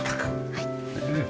はい。